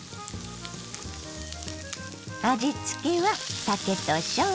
味付けは酒としょうゆ。